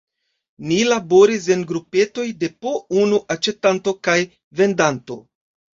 Ni laboris en grupetoj de po unu aĉetanto kaj vendanto.